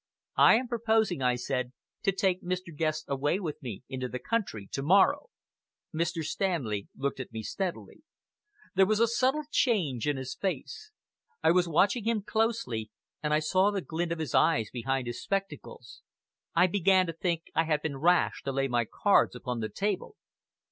"I am proposing," I said, "to take Mr. Guest away with me into the country to morrow." Mr. Stanley looked at me steadily. There was a subtle change in his face. I was watching him closely, and I saw the glint of his eyes behind his spectacles. I began to think I had been rash to lay my cards upon the table.